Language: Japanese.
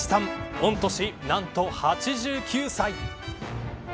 御年なんと８９歳。